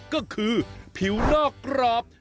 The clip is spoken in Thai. ก็คือผิวนอกกรอบ